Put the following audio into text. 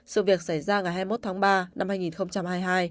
sự việc xảy ra ngày hai mươi một tháng ba năm hai nghìn hai mươi hai